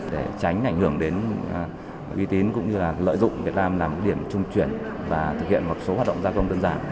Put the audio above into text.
để tránh ảnh hưởng đến uy tín cũng như lợi dụng việt nam làm điểm trung chuyển và thực hiện một số hoạt động gia công đơn giản